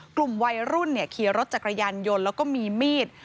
กลุ่มวัยรุ่นขี่รถจักรยานยนต์แล้วก็มีมีด